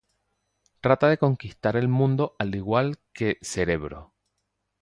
Trata de conquistar el mundo al igual que Cerebro.